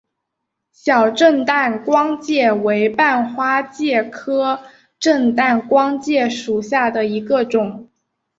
小震旦光介为半花介科震旦光介属下的一个种。